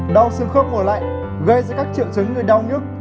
đau xương khớp mùa lạnh gây ra các triệu chứng người đau nhất